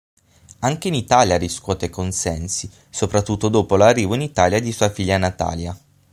Anche in Italia riscuote consensi, soprattutto dopo l'arrivo in Italia di sua figlia Natalia.